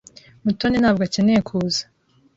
Mutoni ntabwo akeneye kuza.